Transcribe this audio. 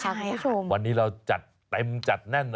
คุณผู้ชมใช่ค่ะวันนี้เราจัดเต็มจัดแน่น